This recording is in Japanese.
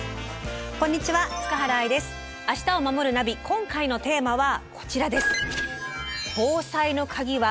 今回のテーマはこちらです。